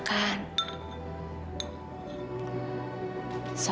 kamu tuh harus makan